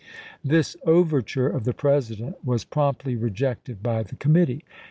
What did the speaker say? This overture of the President was promptly rejected by the com mittee.